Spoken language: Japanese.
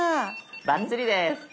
バッチリです。